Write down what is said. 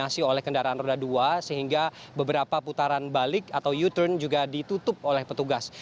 masih oleh kendaraan roda dua sehingga beberapa putaran balik atau u turn juga ditutup oleh petugas